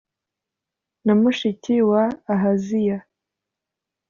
Na mushiki wa ahaziya